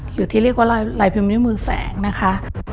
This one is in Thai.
หรือที่เรียกว่าลายพิมพ์นิ้วมือแฝงนะคะ